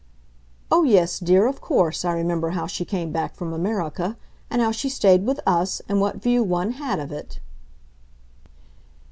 "Oh yes, dear, of course I remember how she came back from America and how she stayed with US, and what view one had of it."